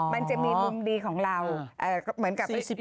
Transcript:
มันจะมีมุมดีของเราเหมือนกับ